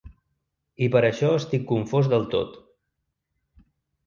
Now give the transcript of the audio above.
I per això estic confós del tot.